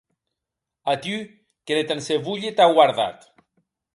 A tu que ne tansevolhe t'a guardat.